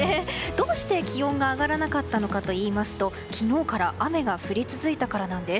どうして気温が上がらなかったのかといいますと昨日から雨が降り続いたからなんです。